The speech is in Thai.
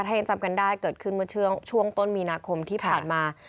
ถ้ายังจำกันได้เกิดขึ้นเมื่อช่วงต้นมีนาคมที่ผ่านมา